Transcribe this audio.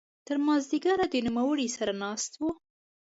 تر ماذیګره د نوموړي سره ناست وو.